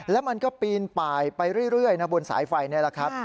แล้วมันก็ปีนป่ายไปเรื่อยนะบนสายไฟนี่แหละครับ